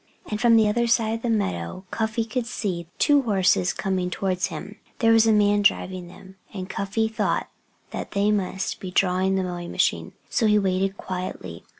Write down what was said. And from the other side of the meadow Cuffy could see two horses coming towards him. There was a man driving them. And Cuffy thought that they must be drawing the mowing machine. So he waited quietly.